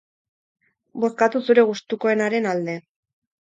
Bozkatu zure gustukoenaren alde.